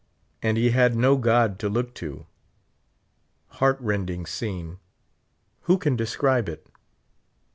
And he had no God to look to ! Heart rending scene ! Who can describe it